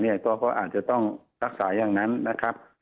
ก็อาจจะต้องรักษาอย่างนั้นนะครับ